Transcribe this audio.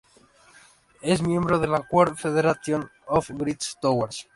Es miembro de la World Federation of Great Towers.